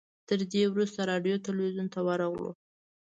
تر دې وروسته راډیو تلویزیون ته ورغلو.